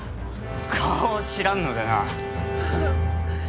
顔を知らんのでな。